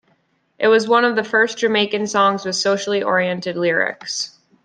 It was one of the first Jamaican songs with socially oriented lyrics.